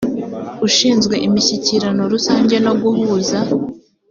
ushinzwe imishyikirano rusange no guhuza